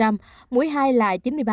mũi hai là chín mươi ba tám